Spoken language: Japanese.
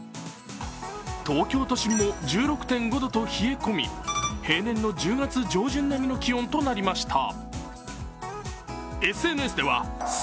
東京都心も１６．５度と冷え込み平年の１０月上旬並みの気温となりました。